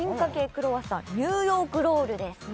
クロワッサンニューヨークロールです